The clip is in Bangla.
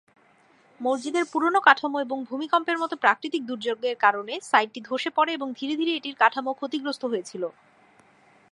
মসজিদের পুরোনো কাঠামো এবং ভূমিকম্পের মতো প্রাকৃতিক দুর্যোগের কারণে সাইটটি ধসে পড়ে এবং ধীরে ধীরে এটির কাঠামো ক্ষতিগ্রস্ত হয়েছিল।